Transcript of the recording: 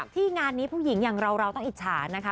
ที่งานนี้ผู้หญิงอย่างเราเราต้องอิจฉานะคะ